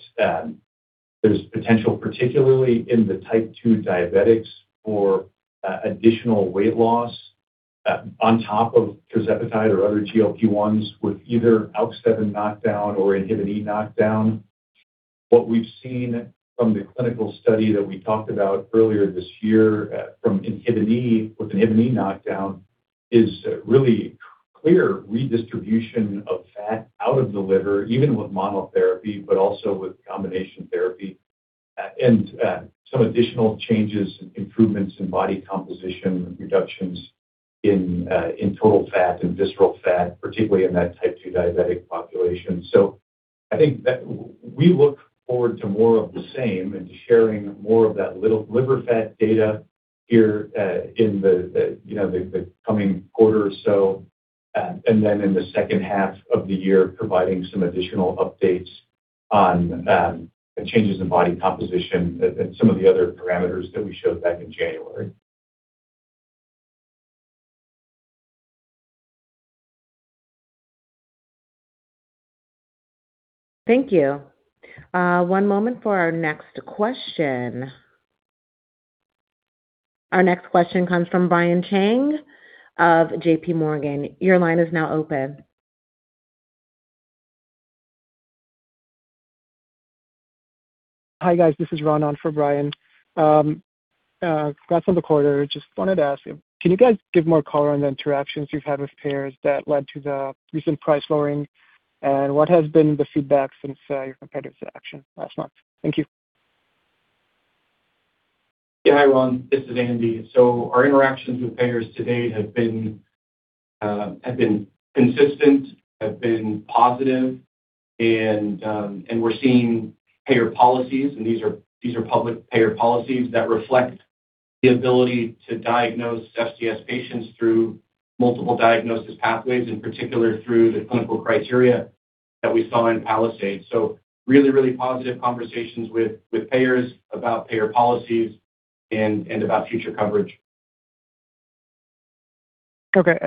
there's potential, particularly in the Type 2 Diabetics for additional weight loss on top of tirzepatide or other GLP-1s with either ALK7 knockdown or ARO-INHBE knockdown. What we've seen from the clinical study that we talked about earlier this year from ARO-INHBE, with ARO-INHBE knockdown is really clear redistribution of fat out of the liver, even with monotherapy, but also with combination therapy. Some additional changes, improvements in body composition, reductions in total fat and visceral fat, particularly in that Type 2 Diabetic population. I think that we look forward to more of the same and to sharing more of that liver fat data here, in the, you know, the coming quarter or so. In the second half of the year, providing some additional updates on changes in body composition and some of the other parameters that we showed back in January. Thank you. One moment for our next question. Our next question comes from Brian Cheng of JPMorgan. Hi, guys. This is Ron on for Brian. Congrats on the quarter. Just wanted to ask you, can you guys give more color on the interactions you've had with payers that led to the recent price lowering? What has been the feedback since your competitive action last month? Thank you. Yeah. Hi, Ron. This is Andy. Our interactions with payers to date have been consistent, have been positive, and we're seeing payer policies, and these are public payer policies that reflect the ability to diagnose FCS patients through multiple diagnosis pathways, in particular through the clinical criteria that we saw in PALISADE. Really positive conversations with payers about payer policies and about future coverage. Okay.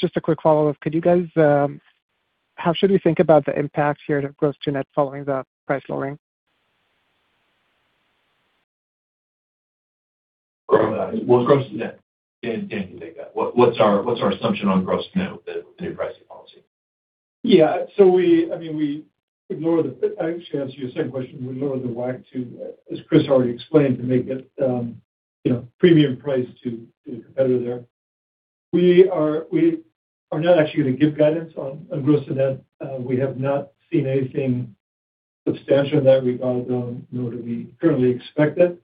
Just a quick follow-up. Could you guys, how should we think about the impact here to gross to net following the price lowering? Gross. Well, gross to net. Dan can take that. What's our assumption on gross to net with the new pricing policy? I mean, I should answer your second question. We ignore the WAC too, as Chris already explained, to make it, you know, premium price to the competitor there. We are not actually gonna give guidance on gross to net. We have not seen anything substantial in that regard. Nor do we currently expect it.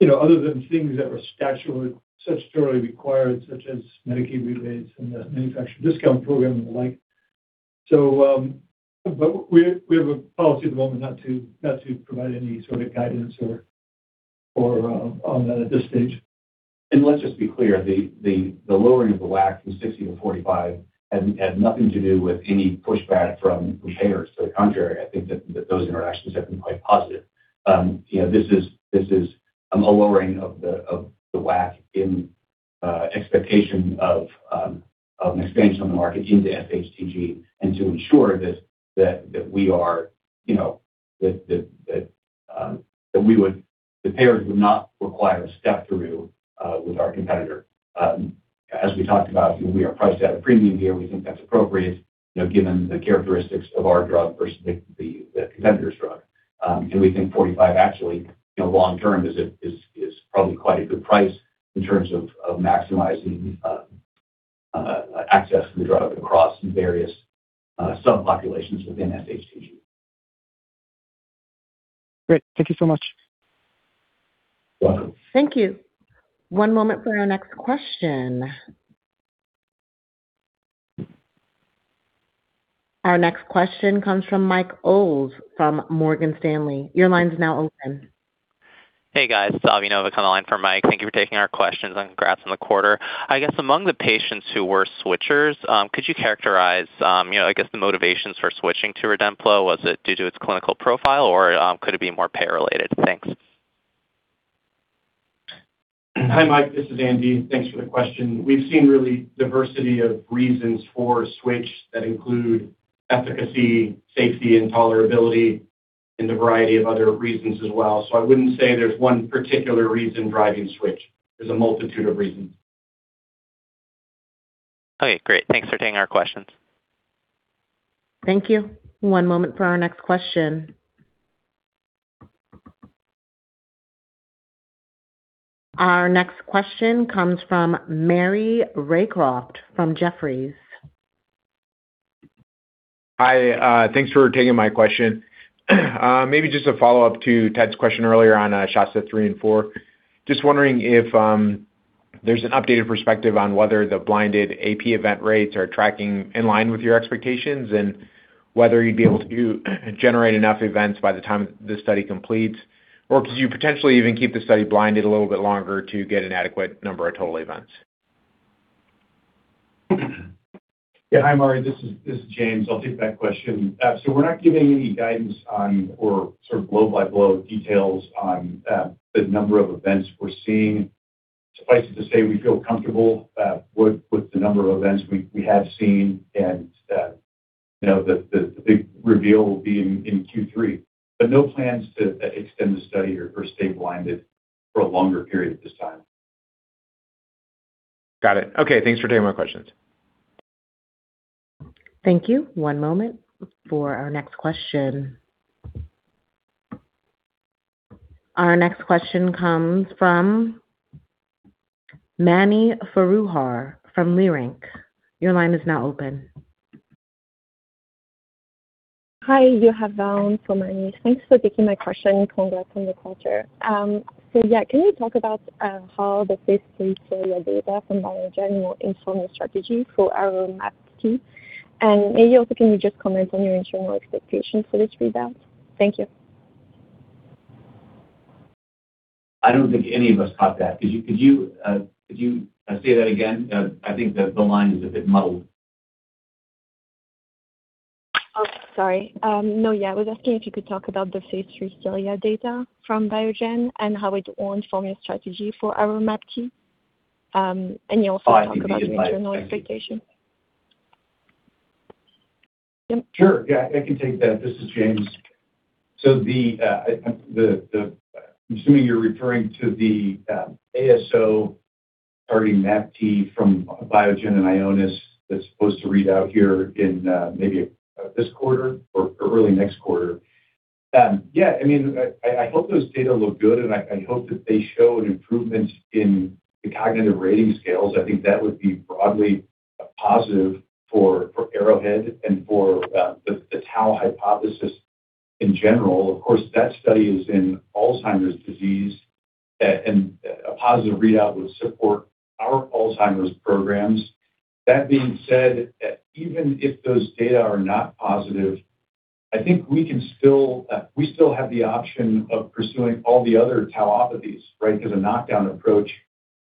You know, other than things that were statutorily required, such as Medicaid rebates and the manufacturer discount program and the like. We have a policy at the moment not to provide any sort of guidance or on that at this stage. Let's just be clear. The lowering of the WAC from 60-45 had nothing to do with any pushback from payers. To the contrary, I think that those interactions have been quite positive. You know, this is a lowering of the WAC in expectation of an expansion on the market into SHTG and to ensure this, that we are, you know, that the payers would not require a step through with our competitor. As we talked about, you know, we are priced at a premium here. We think that's appropriate, you know, given the characteristics of our drug versus the competitor's drug. We think 45 actually, you know, long term is probably quite a good price in terms of maximizing access to the drug across various subpopulations within SHTG. Great. Thank you so much. You're welcome. Thank you. One moment for our next question. Our next question comes from Michael Ulz from Morgan Stanley. Your line's now open. Hey, guys. It's Abhi Aggarwal come the line for Mike. Thank you for taking our questions and congrats on the quarter. I guess among the patients who were switchers, could you characterize, you know, I guess the motivations for switching to REDEMPLO? Was it due to its clinical profile or, could it be more payer-related? Thanks. Hi, Mike, this is Andy. Thanks for the question. We've seen really diversity of reasons for switch that include efficacy, safety, and tolerability, and a variety of other reasons as well. I wouldn't say there's one particular reason driving switch. There's a multitude of reasons. Okay, great. Thanks for taking our questions. Thank you. One moment for our next question. Our next question comes from Maury Raycroft from Jefferies. Hi, thanks for taking my question. Maybe just a follow-up to Ted's question earlier on SHASTA 3 and 4. Just wondering if there's an updated perspective on whether the blinded AP event rates are tracking in line with your expectations and whether you'd be able to generate enough events by the time the study completes, or could you potentially even keep the study blinded a little bit longer to get an adequate number of total events? Hi, Maury Raycroft, this is James Hamilton. I'll take that question. We're not giving any guidance on or sort of blow-by-blow details on the number of events we're seeing. Suffice it to say we feel comfortable with the number of events we have seen and, you know, the big reveal will be in Q3. No plans to extend the study or stay blinded for a longer period at this time. Got it. Okay. Thanks for taking my questions. Thank you. One moment for our next question. Our next question comes from Mani Foroohar from Leerink. Your line is now open. Hi, you have Valerie from Mani Foroohar. Thanks for taking my question. Congrats on your quarter. Yeah. Can you talk about how the phase III CELIA data from Biogen will inform your strategy for ARO-MAPT? Maybe also, can you just comment on your internal expectations for this readout? Thank you. I don't think any of us caught that. Could you say that again? I think the line is a bit muddled. Oh, sorry. No, yeah. I was asking if you could talk about the phase III CELIA data from Biogen and how it will inform your strategy for ARO-MAPT. You also talk about your internal expectations. Sure, yeah. I can take that. This is James. I'm assuming you're referring to the ASO targeting MAPT from Biogen and Ionis that's supposed to read out here in maybe this quarter or early next quarter. Yeah, I mean, I hope those data look good, and I hope that they show an improvement in the cognitive rating scales. I think that would be broadly positive for Arrowhead and for the tau hypothesis in general. Of course, that study is in Alzheimer's disease, and a positive readout would support our Alzheimer's programs. That being said, even if those data are not positive, I think we can still, we still have the option of pursuing all the other tauopathies, right? A knockdown approach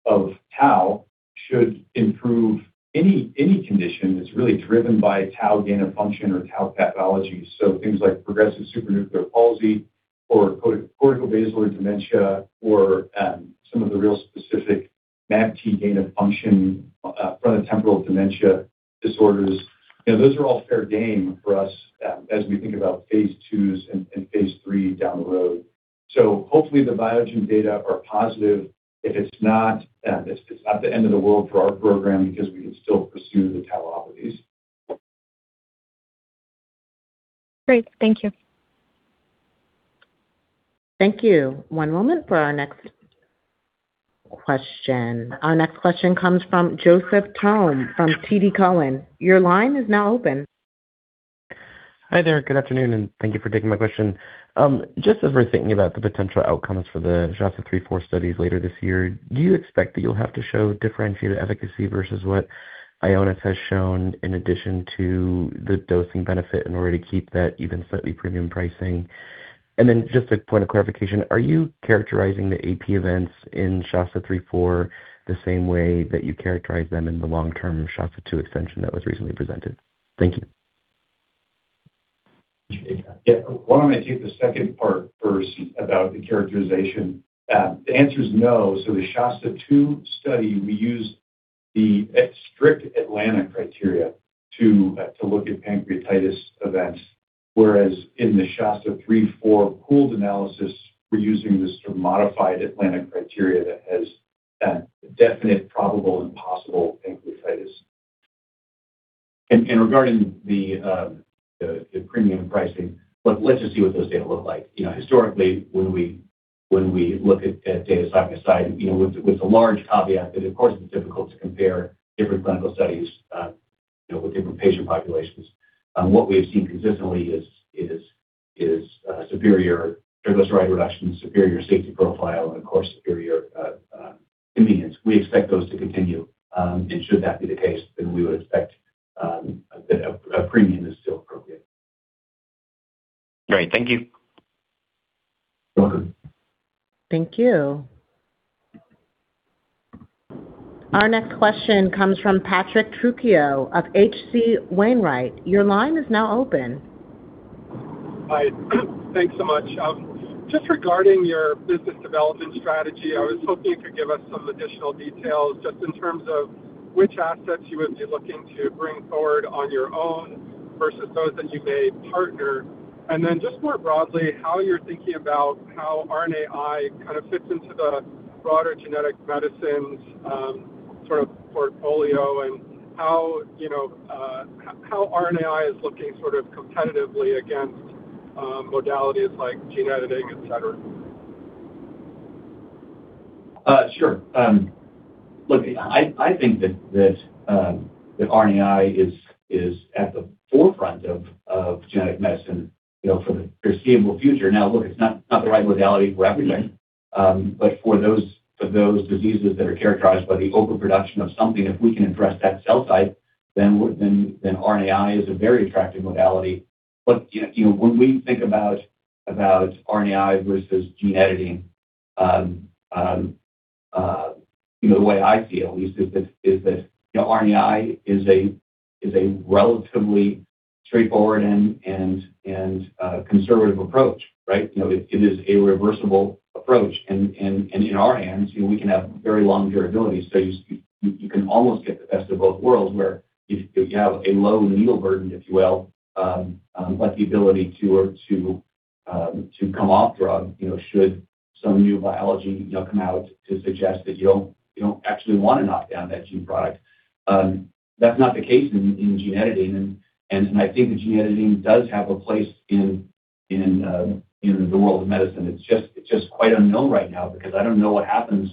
of tau should improve any condition that's really driven by tau gain-of-function or tau pathology. Things like progressive supranuclear palsy or corticobasal degeneration or some of the real specific MAPT gain-of-function frontotemporal dementia disorders. You know, those are all fair game for us as we think about phase IIs and phase III down the road. Hopefully, the Biogen data are positive. If it's not, it's not the end of the world for our program because we can still pursue the tauopathies. Great. Thank you. Thank you. One moment for our next question. Our next question comes from Joseph Thome from TD Cowen. Your line is now open. Hi there. Good afternoon, and thank you for taking my question. Just as we're thinking about the potential outcomes for the SHASTA-3, SHASTA-4 studies later this year, do you expect that you'll have to show differentiated efficacy versus what Ionis has shown in addition to the dosing benefit in order to keep that even slightly premium pricing? Just a point of clarification, are you characterizing the AP events in SHASTA-3, SHASTA-4 the same way that you characterize them in the long-term SHASTA-2 extension that was recently presented? Thank you. Yeah. Why don't I take the second part first about the characterization. The answer is no. The SHASTA-2 study, we used the strict Atlanta criteria to look at pancreatitis events, whereas in the SHASTA-3-4 pooled analysis, we're using this sort of modified Atlanta criteria that has definite, probable, and possible pancreatitis. Regarding the premium pricing, look, let's just see what those data look like. You know, historically, when we look at data side by side, you know, with the large caveat that of course it's difficult to compare different clinical studies, you know, with different patient populations. What we have seen consistently is superior triglyceride reduction, superior safety profile, and of course, superior convenience. We expect those to continue. Should that be the case, then we would expect a premium is still appropriate. Great. Thank you. You're welcome. Thank you. Our next question comes from Patrick Trucchio of H.C. Wainwright. Your line is now open. Hi. Thanks so much. Just regarding your business development strategy, I was hoping you could give us some additional details just in terms of which assets you would be looking to bring forward on your own versus those that you may partner. Just more broadly, how you're thinking about how RNAi kind of fits into the broader genetic medicines, sort of portfolio and how, you know, how RNAi is looking sort of competitively against modalities like gene editing, et cetera. Sure. Look, I think that RNAi is at the forefront of genetic medicine, you know, for the foreseeable future. Look, it's not the right modality for everything. For those diseases that are characterized by the overproduction of something, if we can address that cell type, then RNAi is a very attractive modality. You know, when we think about RNAi versus gene editing, you know, the way I feel at least is that, you know, RNAi is a relatively straightforward and conservative approach. You know, it is a reversible approach. In our hands, you know, we can have very long durability. You can almost get the best of both worlds, where if you have a low needle burden, if you will, but the ability to come off drug, you know, should some new biology, you know, come out to suggest that you don't, you don't actually wanna knock down that gene product. That's not the case in gene editing. I think that gene editing does have a place in the world of medicine. It's just quite unknown right now because I don't know what happens,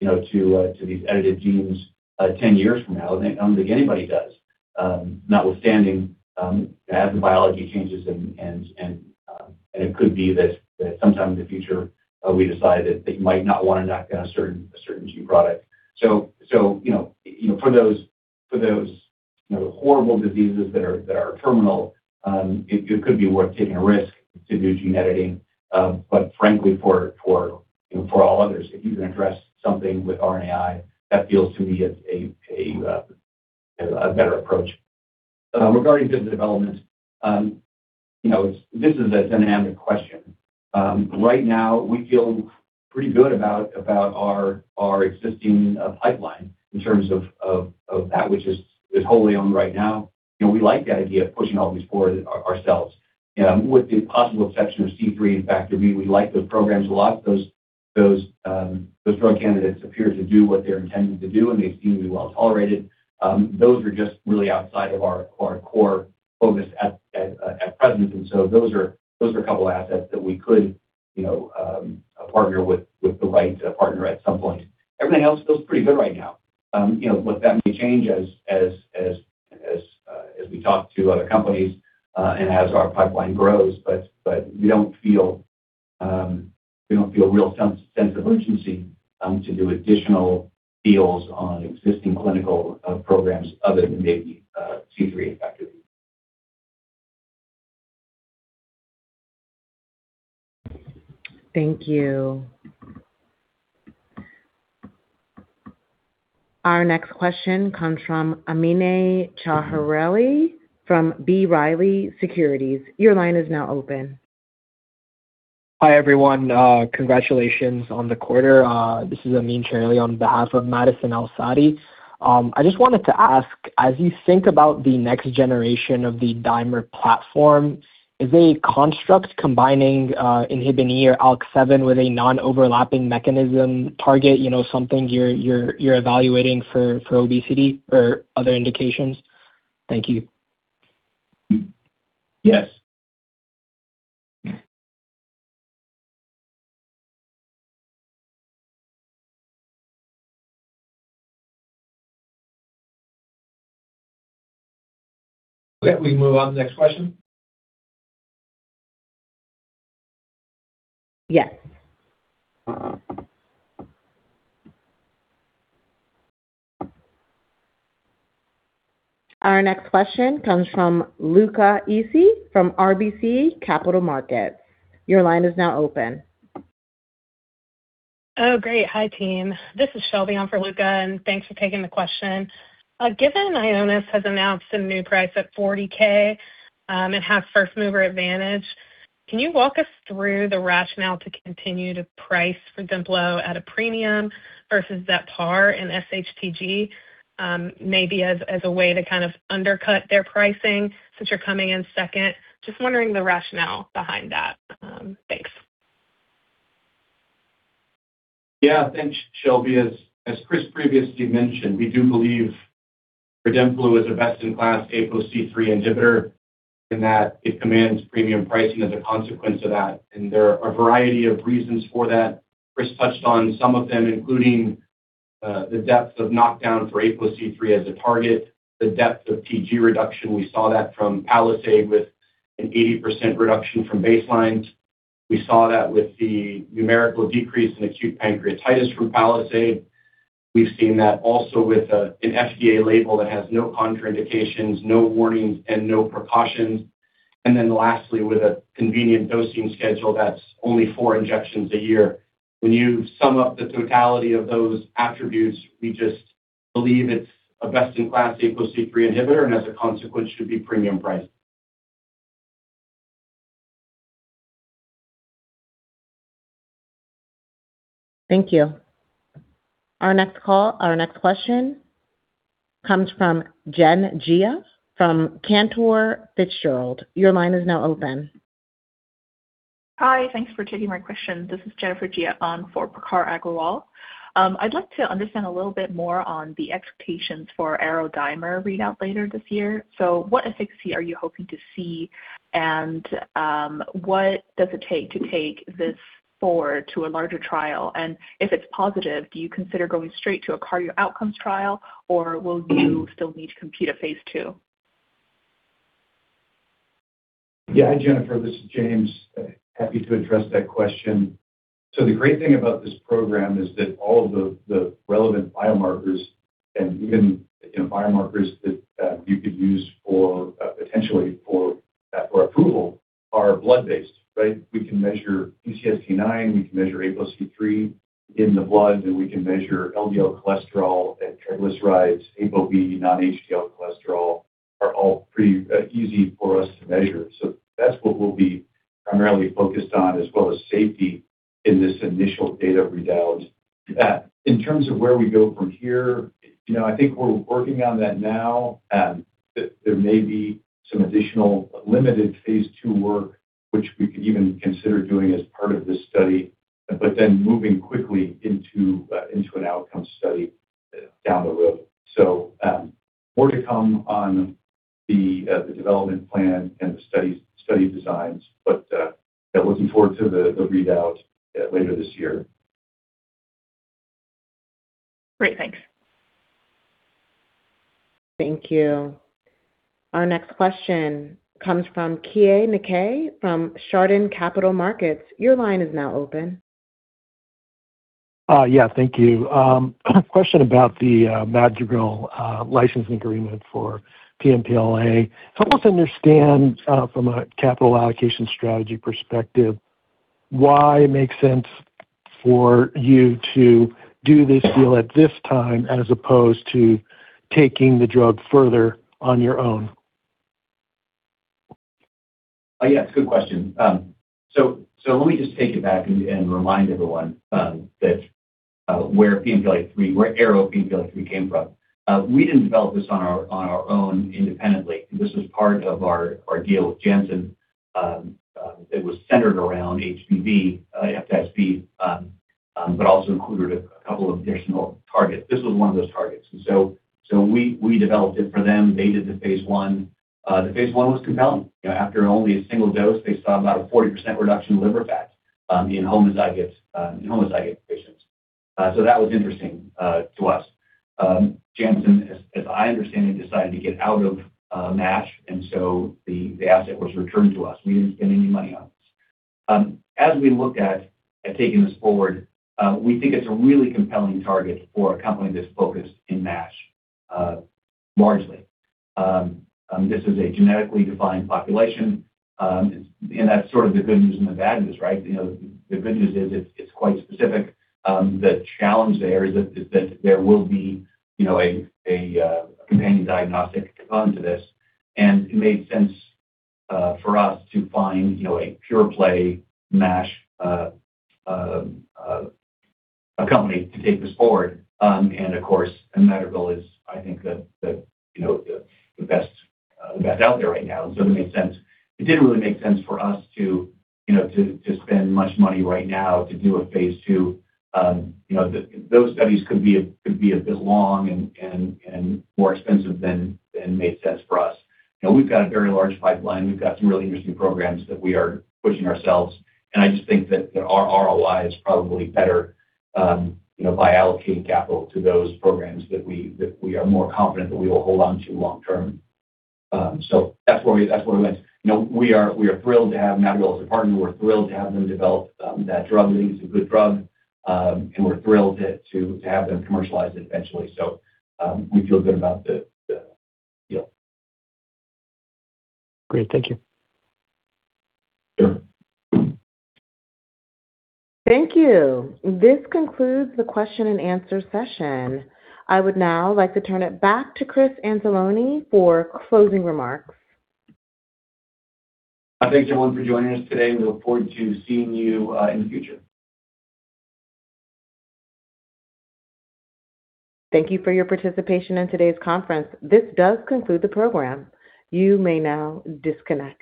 you know, to these edited genes 10 years from now, and I don't think anybody does. Notwithstanding, as the biology changes, it could be that sometime in the future, we decide that you might not wanna knock down a certain gene product. You know, for those, you know, horrible diseases that are terminal, it could be worth taking a risk to do gene editing. Frankly, for, you know, for all others, if you can address something with RNAi, that feels to me as a, you know, a better approach. Regarding business development, you know, this is a dynamic question. Right now, we feel pretty good about our existing pipeline in terms of that which is wholly owned right now. You know, we like that idea of pushing all these forward ourselves. With the possible exception of C3 inhibitor, we like those programs a lot. Those drug candidates appear to do what they're intending to do, and they seem to be well-tolerated. Those are just really outside of our core focus at present. Those are a couple assets that we could, you know, partner with the right partner at some point. Everything else feels pretty good right now. You know, look, that may change as we talk to other companies and as our pipeline grows. We don't feel real sense of urgency to do additional deals on existing clinical programs other than maybe C3 inhibitor. Thank you. Our next question comes from Amine Chaherli from B. Riley Securities. Your line is now open. Hi, everyone. Congratulations on the quarter. This is Amine Chaherli on behalf of Madison El-Saadi. I just wanted to ask, as you think about the next generation of the DIMER platform, is a construct combining INHBE or ALK7 with a non-overlapping mechanism target, you know, something you're evaluating for obesity or other indications? Thank you. Yes. Can we move on to the next question? Yes. Our next question comes from Luca Issi from RBC Capital Markets. Your line is now open. Oh, great. Hi, team. This is Shelby on for Luca, and thanks for taking the question. Given Ionis has announced a new price at $40,000, and has first-mover advantage, can you walk us through the rationale to continue to price REDEMPLO at a premium versus that par in SHTG, maybe as a way to kind of undercut their pricing since you're coming in second? Just wondering the rationale behind that. Thanks. Thanks, Shelby. As Chris previously mentioned, we do believe REDEMPLO is a best-in-class ApoC-III inhibitor, and that it commands premium pricing as a consequence of that. There are a variety of reasons for that. Chris touched on some of them, including the depth of knockdown for ApoC-III as a target, the depth of TG reduction. We saw that from PALISADE with an 80% reduction from baseline. We saw that with the numerical decrease in acute pancreatitis from PALISADE. We've seen that also with an FDA label that has no contraindications, no warnings, and no precautions. Lastly, with a convenient dosing schedule that's only four injections a year. When you sum up the totality of those attributes, we just believe it's a best-in-class ApoC-III inhibitor, and as a consequence, should be premium priced. Thank you. Our next question comes from Jennifer Jia from Cantor Fitzgerald. Your line is now open. Hi. Thanks for taking my question. This is Jennifer Jia on for Prakhar Agrawal. I'd like to understand a little bit more on the expectations for aroDIMER readout later this year. What efficacy are you hoping to see, and what does it take to take this forward to a larger trial? If it's positive, do you consider going straight to a cardio outcomes trial, or will you still need to complete a phase II? Yeah. Hi, Jennifer, this is James. Happy to address that question. The great thing about this program is that all of the relevant biomarkers, and even, you know, biomarkers that you could use for potentially for approval, are blood-based, right? We can measure PCSK9, we can measure ApoC-III in the blood, and we can measure LDL cholesterol and triglycerides. ApoB, non-HDL cholesterol are all pretty easy for us to measure. That's what we'll be primarily focused on, as well as safety in this initial data readout. In terms of where we go from here, you know, I think we're working on that now. There may be some additional limited phase II work which we could even consider doing as part of this study, but then moving quickly into an outcome study down the road. More to come on the development plan and the study designs, but looking forward to the readout later this year. Great. Thanks. Thank you. Our next question comes from Keay Nakae from Chardan Capital Markets. Your line is now open. Yeah, thank you. Question about the Madrigal licensing agreement for ARO-PNPLA3. Help us understand from a capital allocation strategy perspective why it makes sense for you to do this deal at this time, as opposed to taking the drug further on your own? Yes, good question. Let me just take it back and remind everyone that where PNPLA3, where ARO-PNPLA3 came from. We didn't develop this on our own independently. This was part of our deal with Janssen that was centered around HBV, FSBP, also included a couple of additional targets. This was one of those targets. We developed it for them. They did the phase I. The phase I was compelling. You know, after only a single dose, they saw about a 40% reduction in liver fat in homozygous patients. That was interesting to us. Janssen, as I understand it, decided to get out of MASH, the asset was returned to us. We didn't spend any money on this. As we look at taking this forward, we think it's a really compelling target for a company that's focused in MASH largely. This is a genetically defined population, that's sort of the good news and the bad news, right? You know, the good news is it's quite specific. The challenge there is that there will be, you know, a companion diagnostic component to this. It made sense for us to find, you know, a pure play MASH company to take this forward. Of course, Madrigal is, I think, the best out there right now. It made sense. It didn't really make sense for us to, you know, to spend much money right now to do a phase II. You know, those studies could be a bit long and more expensive than made sense for us. You know, we've got a very large pipeline. We've got some really interesting programs that we are pushing ourselves. I just think that, you know, our ROI is probably better, you know, by allocating capital to those programs that we are more confident that we will hold on to long term. That's where we went. You know, we are thrilled to have Madrigal as a partner. We're thrilled to have them develop that drug. We think it's a good drug. We're thrilled to have them commercialize it eventually. We feel good about the deal. Great. Thank you. Sure. Thank you. This concludes the question-and-answer session. I would now like to turn it back to Chris Anzalone for closing remarks. Thanks, everyone, for joining us today, and we look forward to seeing you in the future. Thank you for your participation in today's conference. This does conclude the program. You may now disconnect.